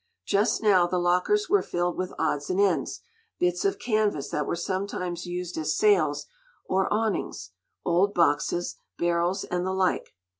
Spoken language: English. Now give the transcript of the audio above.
Just now, the lockers were filled with odds and ends bits of canvass that were sometimes used as sails, or awnings, old boxes, barrels and the like.